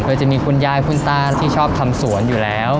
โดยจะมีคุณยายคุณตาที่ชอบทำสวนอยู่แล้ว